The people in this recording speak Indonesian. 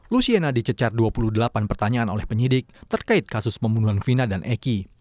luciena dicecar dua puluh delapan pertanyaan oleh penyidik terkait kasus pembunuhan vina dan eki